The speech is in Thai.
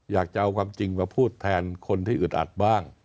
อยากจะเอาความจริงมาพูดแทนคนที่อึดอัดบ้าง